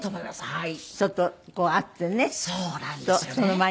はい。